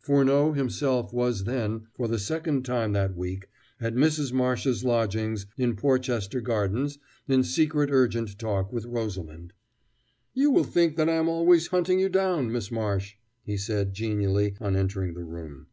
Furneaux himself was then, for the second time that week, at Mrs. Marsh's lodgings in Porchester Gardens in secret and urgent talk with Rosalind. "You will think that I am always hunting you down, Miss Marsh," he said genially on entering the room.